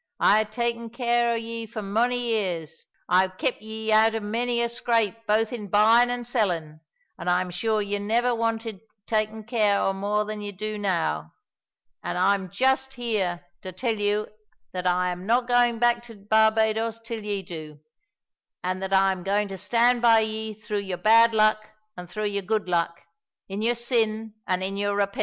"I hae ta'en care o' ye for mony years; I hae kept ye out o' mony a bad scrape both in buyin' an' sellin', an' I am sure ye never wanted takin' care o' mair than ye do now; an' I'm just here to tell ye that I am no' goin' back to Barbadoes till ye do, an' that I am goin' to stand by ye through your bad luck and through your good luck, in your sin an' in your repentance."